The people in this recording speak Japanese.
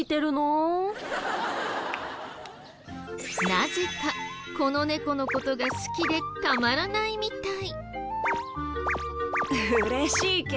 なぜかこの猫の事が好きでたまらないみたい。